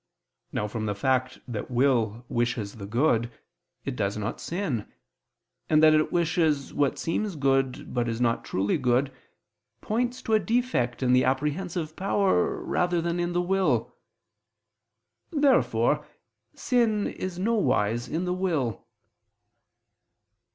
Now from the fact that will wishes the good, it does not sin: and that it wishes what seems good but is not truly good, points to a defect in the apprehensive power rather than in the will. Therefore sin is nowise in the will.